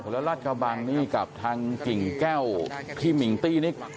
แล้วราชกระบังนี่กับทางกิ่งแก้วที่มิงตี้นี่